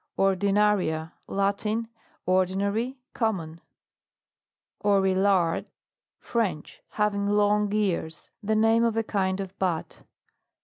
ORDINARIA. Latin. Ordinary, com mon. OREILLARD. French. Having long ears. The name of a kind of bat.